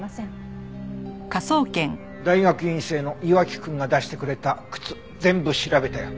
大学院生の岩城くんが出してくれた靴全部調べたよ。